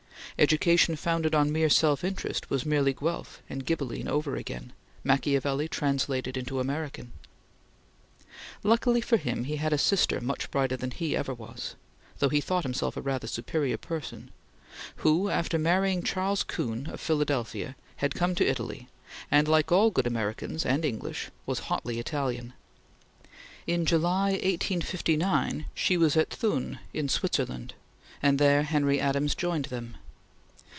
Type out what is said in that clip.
Education founded on mere self interest was merely Guelph and Ghibelline over again Machiavelli translated into American. Luckily for him he had a sister much brighter than he ever was though he thought himself a rather superior person who after marrying Charles Kuhn, of Philadelphia, had come to Italy, and, like all good Americans and English, was hotly Italian. In July, 1859, she was at Thun in Switzerland, and there Henry Adams joined them.